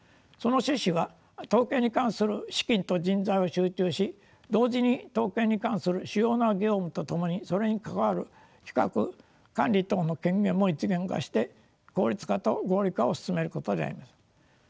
その趣旨は統計に関する資金と人材を集中し同時に統計に関する主要な業務と共にそれに関わる企画管理等の権限も一元化して効率化と合理化を進めることであります。